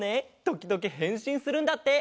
ときどきへんしんするんだって！